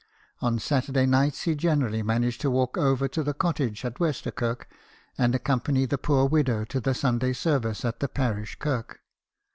On Saturday nights he generally managed to walk over to the cottage at Westerkirk, and accompany the poor widow to the Sunday services at the parish kirk.